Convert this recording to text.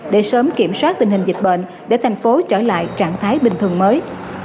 để sớm kiểm soát tình hình dịch bệnh để thành phố trở lại trạng thái bình thường mới